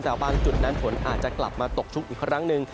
แต่บางจุดนั้นฝนอาจจะกลับมาตกชุกอีกครั้งหนึ่ง